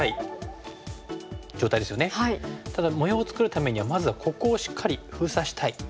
ただ模様を作るためにはまずはここをしっかり封鎖したい。